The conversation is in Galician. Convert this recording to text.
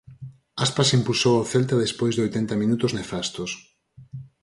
Aspas impulsou o Celta despois de oitenta minutos nefastos.